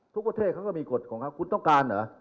ทุกประเทศเขาก็มีกฎของเขา